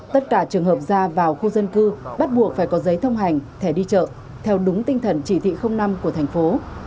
tất cả trường hợp ra vào khu dân cư bắt buộc phải có giấy thông hành thẻ đi chợ theo đúng tinh thần chỉ thị năm của thành phố